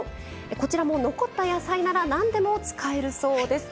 こちらも残った野菜なら何でも使えるそうです。